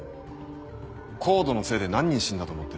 ＣＯＤＥのせいで何人死んだと思ってる？